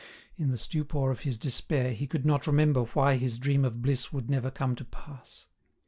In the stupor of his despair he could not remember why his dream of bliss would never come to pass.